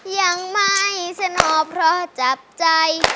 ยังไม่สนอเพราะจับใจ